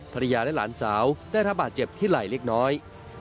ภรรยาและหลานสาวได้รับบาดเจ็บที่ไหล่เล็กน้อย